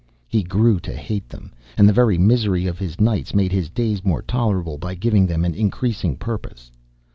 He grew to hate them, and the very misery of his nights made his days more tolerable by giving them an increasing purpose.